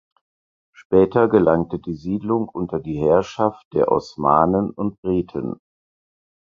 Später gelangte die Siedlung unter die Herrschaft der Osmanen und Briten.